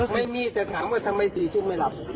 ไม่มีแต่ถามว่าทำไมสองชุดไม่รับ